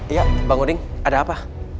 iya bang uning ada apa